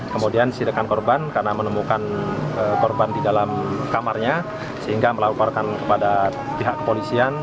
kemudian sidekan korban karena menemukan korban di dalam kamarnya sehingga melaporkan kepada pihak kepolisian